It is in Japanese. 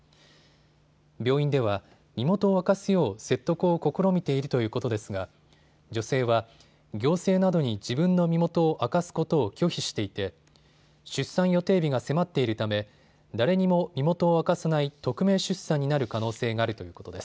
病院では身元を明かすよう説得を試みているということですが女性は行政などに自分の身元を明かすことを拒否していて出産予定日が迫っているため誰にも身元を明かさない匿名出産になる可能性があるということです。